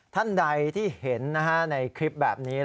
ท่านใดที่เห็นในคลิปแบบนี้